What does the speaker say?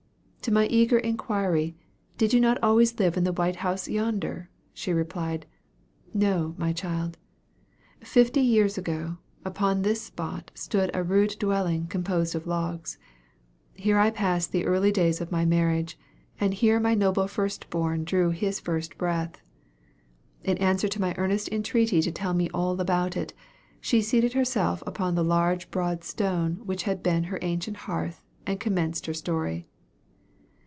To my eager inquiry, Did you not always live in the large white house yonder? She replied, "No, my child. Fifty years ago, upon this spot stood a rude dwelling, composed of logs. Here I passed the early days of my marriage, and here my noble first born drew his first breath." In answer to my earnest entreaty to tell me all about it, she seated herself upon the large broad stone which had been her ancient hearth, and commenced her story.